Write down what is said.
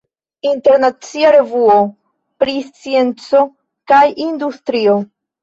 Internacia revuo pri scienco kaj industrio.